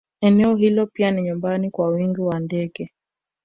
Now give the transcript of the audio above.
Eneo hilo pia ni nyumbani kwa wingi wa ndege